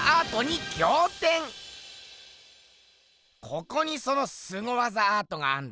ここにそのすご技アートがあんだな？